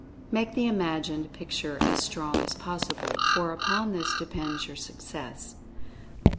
Make the imagined picture as strong as possible, for upon this depends your success.